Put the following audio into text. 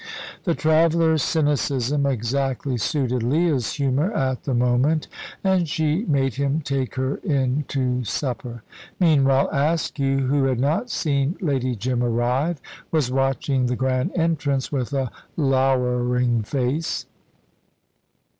The traveller's cynicism exactly suited Leah's humour at the moment, and she made him take her in to supper. Meanwhile, Askew, who had not seen Lady Jim arrive, was watching the grand entrance with a lowering face.